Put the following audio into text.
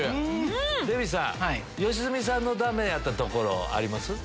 デヴィさん良純さんのダメやったところありますか？